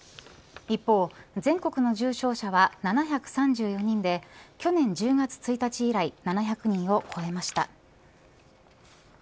一方、全国の重症者は７３４人で去年１０月１日以来７００人を超えました。